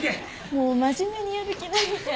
もう真面目にやる気ないじゃん。